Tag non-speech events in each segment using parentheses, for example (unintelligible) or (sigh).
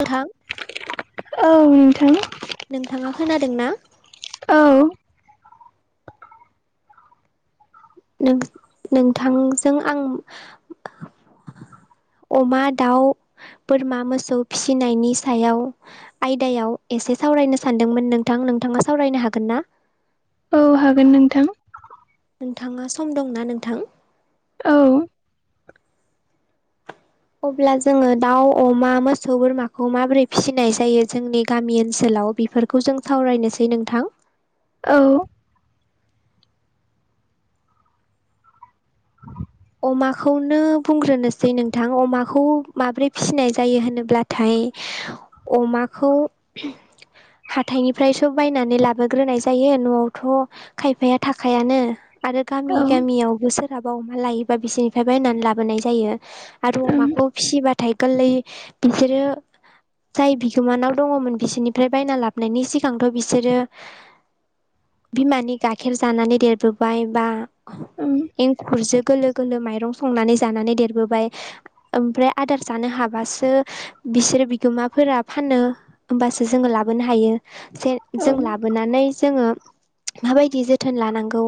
नोंथां औ नोंथां नोंथाङा खोनादों ना? औ। नों-नोंथांजों आं अमा, दाउ, बोरमा, मोसौ फिसिनायनि सायाव आयदायाव एसे सावरायनो सानदोंमोन नोंथां नोंथाङा सावरायनो हागोन ना? औ हागोन नोंथां। नोंथांङा सम दंना नोंथां? औ। अब्ला जोंङो दाउ, अमा, मोसौ, बोरमाखौ माबोरै फिसिनाय जायो जोंनि गामि ओनसोलाव बेफोर खौ जों सावरायनोसै नोंथां। औ। अमाखौनो बुंग्रोनोसै नोंथां अमाखौ माबोरै फिसिनाय जायो होनोब्ला थाय अमाखौ हाथायनिफ्रायसो बायनानै लाबोग्रोनाय जायो न'आवथ' खायफाया थाखायानो आरो औ गामि गामियावबो सोरहाबा अमा लायो फाय बिसोरनिफ्राय बायनानै लाबोनाय जायो। आरो ओम अमाखौ फिसिबाथाय गोरलै बिसोरो जाय बिगोमानाव दंङमोन बिसोरनिफ्राय बायना लाबनायनि सिगांथ' बिसोरो बिमानि गाखेर जानानै देरबोबाय बा ओम एंखुरजों गोल माइरं संनानै जानानै देरबोबाय ओमफ्राय आदार जानो हाबासो बिसोरो बिगोमाफोरा फानो होमबासो जोंङो लाबोनो हायो। जे औ जों लाबोनानै जोंङो माबायदि जोथोन लानांगौ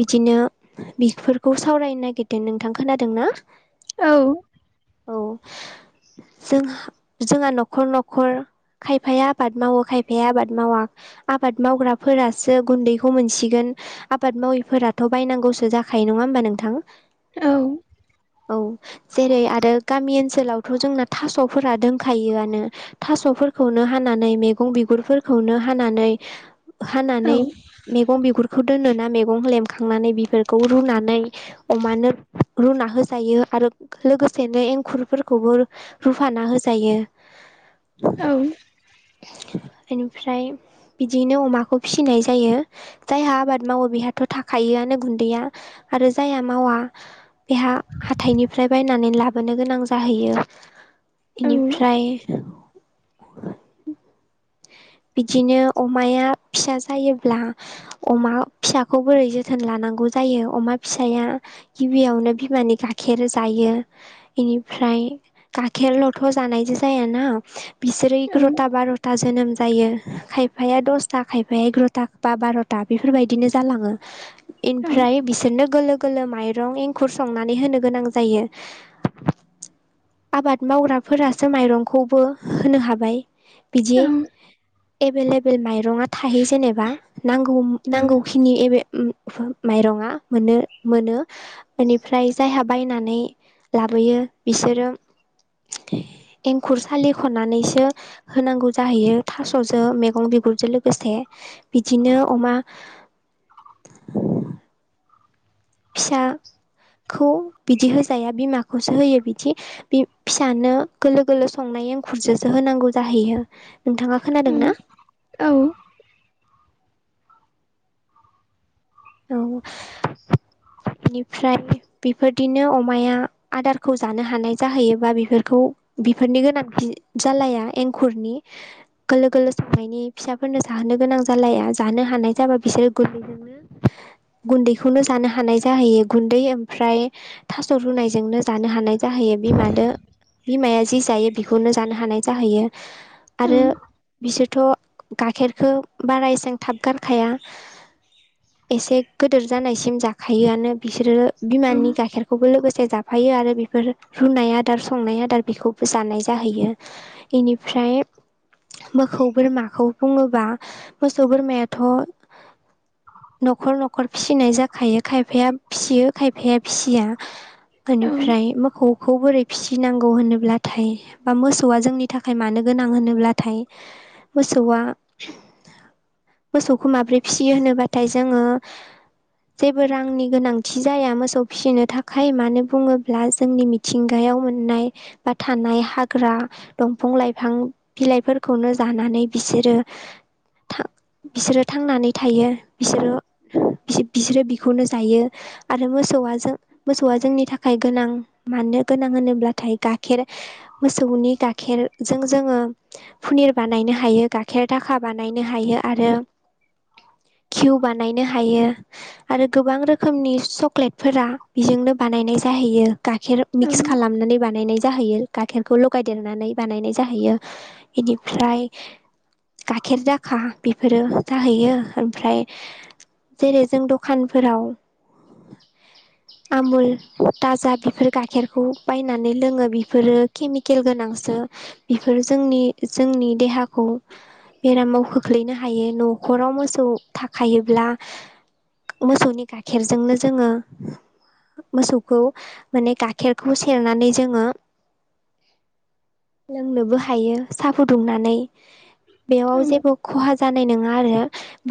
बिदिनो बिफोरखौ सावरायनो नागिरदों नोंथां खोनादोंना? औ औ जों जोंहा न'खर न'खर खायफाया आबाद मावो खायफाया आबाद मावा। आबाद मावग्राफोरासो गुन्दैखौ मोनसिगोन। आबाद माविफोराथ' बायनांगौसो जाखायो नंङा होमबा नोंथां। औ औ जेरै आरो गामि ओनसोलावथ' जोंना थास'फोरा दों। खायोआनो थास'फोरखौनो हानानै मैगं बिगुरफोरखौनो हानानै औ हानानै मैगं बिगुरखौ दोनोना मैगं लेमखांनानै बेफोरखौ रुनानै अमानो रुना होजायो आरो लोगोसेनो एंखुरफोरखौबो रुफाना होजायो औ ओमफाय बिदिनो अमाखौ फिसिनाय जायो। जायहा आबाद मावो बेहाथ' थाखायोआनो गुन्दैया आरो जायहा मावा बेहा हाथाइनिफ्राय बायनानै लाबोनो गोनां जाहैयो। बेनिफ्राय बिदिनो अमाया फिसा जायोब्ला अमा फिसाखौ बोरै जोथोन लानांगौ जायो अमा फिसाया गिबियावनो बिमानि गाइखेर जायो। बेनिफ्राय गाइखेरल'थ' जानायजों जायाना। बिसोरो एगार'था बार'था जोनोम। जायो खायफाया दसथा खायफाया एगार'था बा बार'था बेफोरबायदिनो जालांङो। इनिफ्राइ बिसोरनो गोरलो गोरलोलो माइरं एंखुर संनानै होनो गोनां जायो। आबाद मावग्राफोरासो माइरंखौबो होनो हाबाय बिदि। एभेलेबेल माइरं थायो जेनेबा नांगौ नांगौखिनि माइरंङा मोननो मोनो। बेनिफ्राय जायहा बायनानै लाबोयो बिसोरो। एंखुर सालिखनानैसो होनांगौ जाहैयो थास'जों मैगं बिगुरजों लोगोसे बिदिनो अमा (unintelligible) फिसाखौ बिदि होजाया बिमाखौसो होयो बिदि बि फिसानो गोरलो गोरलो संनाय एंखुरजोंसो होनांगौ जाहैयो। नोंथांङा खोनादों ना? औ औ बेनिफ्राय बेफोरदिनो अमाया आदारखौ जानो हानाय जाहैयोबा बेफोरखौ। बेफोरनि गोनांथि जालाया एंखुरनि गोलो गोलो संनायनि फिसाफोरनो जाहोनो गोनां जालाया जानो हानाय जाबा बिसोरो गोरलैजोंनो गुन्दैखौनो जानो हानाय जाहैयो गुन्दै ओमफ्राय थास' रुनायजोंनो जानो हानाय जाहैयो बिमादो। बिमाया जि जायो बेखौनो जानो हानाय जाहैयो। औ आरो बिसोरथ' गाइखेरखौ बारा एसेां थाब गारखाया। एसे गिदोर जानायसिम जाखायोआनो बिसोरो बिमानि औ गाइखेरखौबो लोगोसे जा साबफायो आरो बेफोर रुनाय आदार संनाय आदार बेखौबो जानाय जाहैयो। बेनिफ्राय मोखौ बोरमाखौ बुङोबा मोसौ बोरमायाथ' न'खर न'खर फिसिनाय जाखायो खायफाया फिसियो खायफाया फिसिया। एनिफ्राय मोखौखौ बोरै फिसिनांगौ होनोब्लाथाय बा मोसौआ जोंनि थाखाय मानो गोनां होनोब्लाथाय मोसौआ मोसौखौ माब्रै फिसियो होनोब्लाथाय जोङो जेबो रांनि गोनांथि जाया मोसौ फिसिनो थाखाय मानो बुङोब्ला जोंनि मिथिंगायाव मोननाय बा थानाय हाग्रा दंफां लाइफां बिलाइफोरखौनो जानानै बिसोरो थां बिसोरो थांनानै थायो बिसोरो बि-बिसोरो बि खौनो जायो आरो मोसौआ जों मोसौआ जोंनि थाखाय गोनां मानो गोनां होनोब्लाथाय गाखेर मोसौनि गाखेरजों जोङो फुनिर बानायनो हायो गाखेर दाखा बानायनो हायो आरो किउ बानायनो हायो। आरो गोबां रोखोमनि चक्लेटफोरा बेजोंनो बानायनाय जाहैयो। गाखेर मिक्स खालामनानै बानायनाय जाहैयो। गाइखेरखौ लगायदेरनानै बानायनाय जाहैयो एनिफ्राय गाइखेर दाखा बेफोरो जाहैयो ओमफ्राय जेरै जों द खानफोराव आमुल दाजा बेफोर गाइखेरखौ बायनानै लोङो बेफोरो केमिकेल गोनांसो। बेफोर जोंनि जोंनि देहाखौ बेरामाव खोख्लैनो हायो न'खराव मोसौ थाखायोब्ला मोसौनि गाइखेरजोंनो जोङो मोसौखौ माने गाखेरखौ सेरनानै जोङो लोंनोबो हायो सा फुदुंनानै। बेयाव जेबो खहा जानाय नङा आरो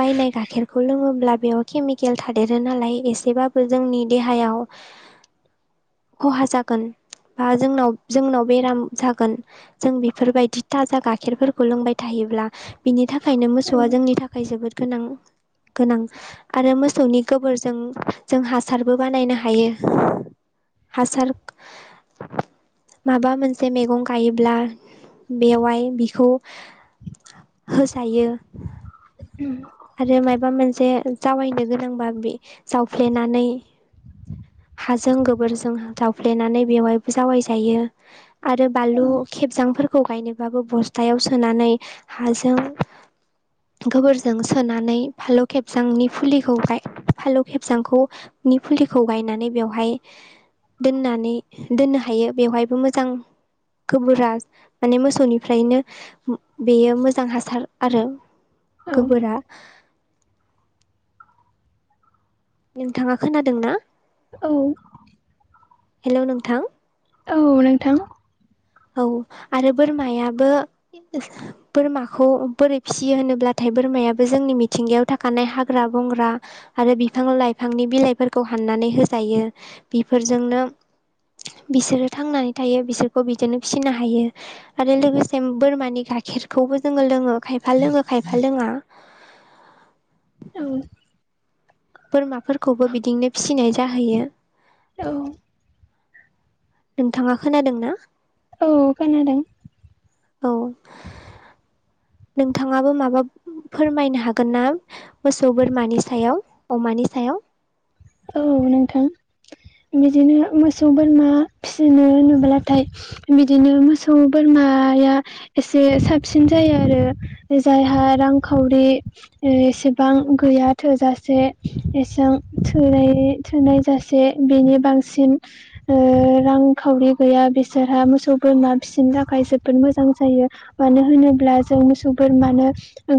बायनाय गाखेरखौ लोङोब्ला बेयाव केमिकेल थादेरो नालाय एसेबाबो जोंनि देहायाव खहा जागोन बा जोंनाव जोंनाव बेराम जागोन। जों बेफोरबायदि थाजा गाखेरफोरखौ लोंबाय थायोब्ला। बिनि थाखायनो मोसौआ जोंनि थाखाय जोबोद गोनां गोनां आरो मोसौनि गोबोरजों जों हासारबो बानायनो हायो। हासार माबा मोनसे मैगं गायोब्ला बेवहाय बिखौ होजायो (inaudible) आरो मायबा मोनसे जावैनो गोनांबा बे जावफ्लेनानै हाजों गोबोरजों जावफ्लेनानै बेवहायबो जावाय जायो। आरो बानलु खेबजांफोरखौ गायनोबाबो बस्थायाव सोनानै हाजों गोबोर जों सोनानै फालौ खेबजांनि फुलिखौ गाय फालौ खेबजांखौ नि फुलिखौ गायनानै बेवहाय दोननानै दोननो हायो बेवहायबो मोजां गोबोरा माने मोसौनिफ्रायनो बेयो मोजां हासार आरो गोबोरा नोंथाङा खोनादों ना? औ हेलौ नोंथां औ नोंथां। औ आरो बोरमायाबो बोरमाखौ बोरै फिसियो होनोब्लाथाय बोरमायाबो जोंनि मिथिंगायाव थाखानाय हाग्रा बंग्रा आरो बिफां लाइफांनि बिलाइफोरखौ हाननानै होजायो बेफोरजोंनो बिसोरो थांनानै थायो बिसोरखौ बिदिनो फिसिनो हायो। आरो लोगोसे बोरमानि गाइखेरखौबो जोङो लोङो खायफा लोङो खायफा लोङा। औ बोरमाफोरखौबो बिदिनो फिसिनाय जाहैयो। औ नोंथाङा खोनादों ना। औ खोनादों औ नोंथाङाबो माबा फोरमायनो हागोन ना मोसौ बोरमानि सायाव अमानि सायाव? औ नोंथां। बिदिनो मोसौ बोरमा फिसिनो होनोब्लाथाय बिदिनो मोसौ बोरमाया एसे साबसिन जायो आरो जायहा रांखावरि एसेबां गैया थोजासे एसेबां थाय थोनाय जासे बेनि बांसिन रांखावरि गैया बिसोरहा मोसौ बोरमा फिसिनो थाखाय जोबोद मोजां जायो। मानो होनोब्ला जों मोसौ बोरमानो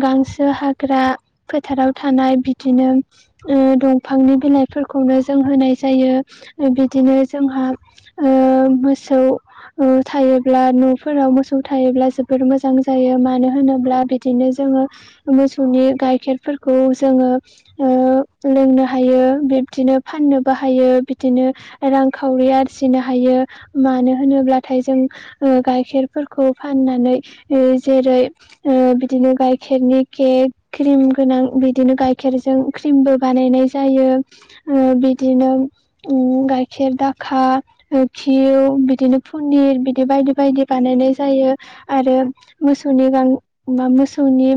गांसो हाग्रा फोथाराव थानाय बिदिनो दंफांनि बिलाइफोरखौनो जों होनाय जायो बिदिनो जोंहा। ओ मोसौ थायोब्ला न'फोराव मोसौ थायोब्ला जोबोर मोजां जायो मानो होनोब्ला बिदिनो जोङो मोसौनि गाइखेरफोरखौ जोङो लोंनो हायो बिब्दिनो फाननो बाहायो बिदिनो रांखावरि आरजिनो हायो मानो होनोब्लाथाय जों गाइखेरफोरखौ फाननानै जेरै बिदिनो गायखेरनि केक क्रिम गोनां बिदिनो गायखेरजों क्रिमबो बानायनाय जायो बिदिनो उम गाइखेर दाखा खिउ बिदिनो फन्दिर बिदि बायदि बायदि बानायनाय जायो। आरो मोसौनि गां अमा मोसौनि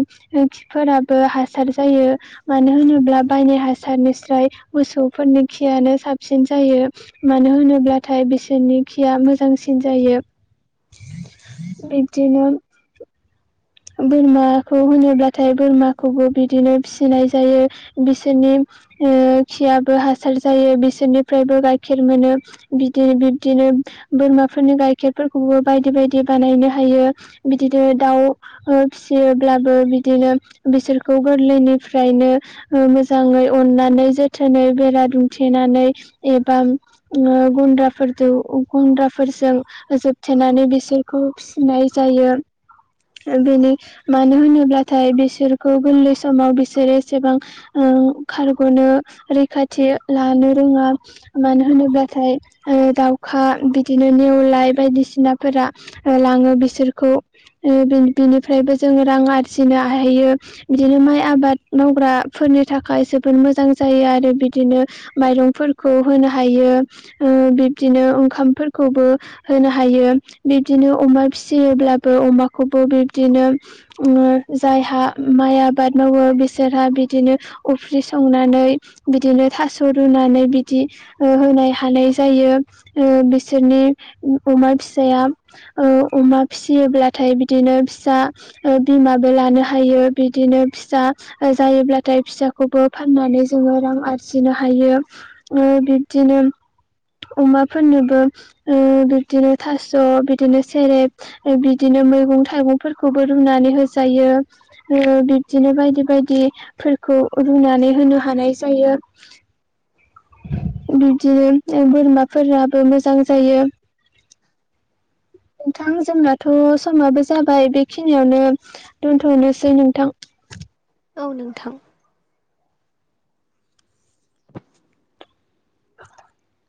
खिफोराबो हासार जायो। मानो होनोब्ला बायनि हासारनिस्राय मोसौफोरनि खियानो साबसिन जायो। मानो होनोब्लाथाय बिसोरनि खिया मोजांसिन जायो। बिदिनो बोरमाखौ होनोब्लाथाय बोरमाखौबो बिदिनो फिसिनाय जायो बिसोरनि खियाबो हासार जायो बिसोरनिफ्रायबो गाइखेर मोनो बिदिनो बिब्दिनो बोरमाफोरनि गाइखेरफोरखौबो बायदि बायदि बानायनो हायो। बिदिनो दाउ फिसियोब्लाबो बिदिनो बिसोरखौ गोरलैनिफ्रायनो मोजाङै अननानै जोथोनै बेरा दुमथेनानै एबा गुन्द्राफोरजों गुन्द्राफोरजों जोबथेनानै बिसोरखौ फिनाय जायो। बेनो मानो होनोब्लाथाय बिसोरखौ गोरलै समाव बिसोरो एसेबां खारग'नो रैखाथि लानो रोङा। मानो होनोब्लाथाय दाउखा बिदिनो नेवलाय बायदिसिनाफोरा लाङो बिसोरखौ ओ बिनिफ्रायबो जोङो रां आरजिनो हायो। बिदिनो माइ आबाद मावग्राफोरनि थाखाय जबोद मोजां जायो आरो बिदिनो माइरंफोरखौ होनो हायो बिब्दिनो ओंखामफोरखौबो होनो हायो बिब्दिनो अमा फिसियोब्लाबो अमाखौबो बिब्दिनो जायहा माइ आबाद मावो बिसोरहा बिदिनो अफ्रि संनानै बिदिनो थास' रुनानै बिदि होनाय हानाय जायो बिसोरनि अमा फिसाया अमा फिसियोब्लाथाय बिदिनो फिसा बिमाबो लानो हायो बिदिनो फिसा जायोब्लाथाय फिसाखौबो फाननानै जोङो रां आरजिनो हायो बिब्दिनो अमाफोरनोबो बिदिनो थास' बिदिनो सेरेब बिदिनो मैगं थाइगंफोरखौबो रुनानै होजायो बिब्दिनो बायदि बायदि फोरखौ रुनानै होनो हानाय जायो बिदिनो बोरमाफोराबो मोजां जायो नोंथां जोंनाथ' समाबो जाबाय बेखिनियावनो दोनथ'नोसै नोंथां औ नोंथां (unintelligible)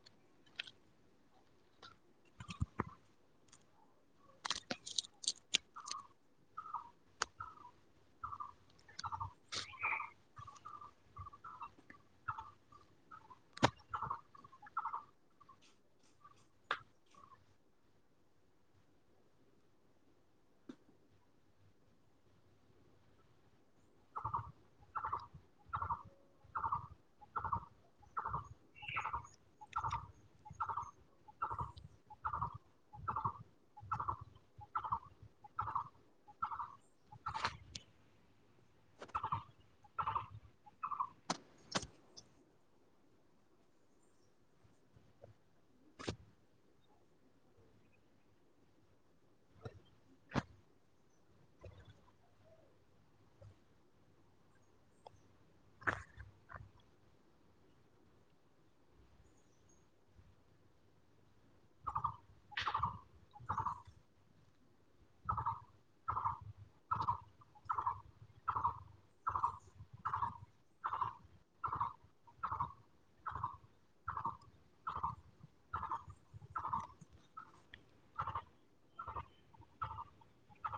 (unintelligible)